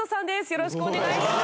よろしくお願いします。